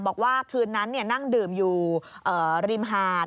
บอกว่าคืนนั้นนั่งดื่มอยู่ริมหาด